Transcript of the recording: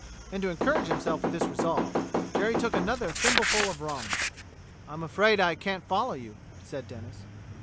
And to encourage himself in this resolve Jerry took another thimbleful of rum. "I'm afraid I can't follow you," said Denis.